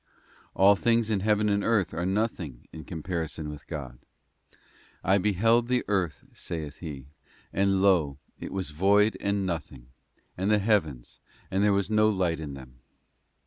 All things in heaven and earth are nothing in comparison with God. 'I beheld the earth,' saith he, 'and lo, it was void and nothing, and the heavens, and there was no light in them.